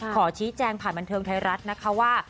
ขอชี้แจงผ่านบันเทิงไทยรัฐนะคะว่า